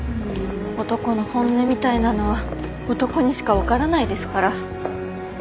男の本音みたいなのは男にしか分からないですから。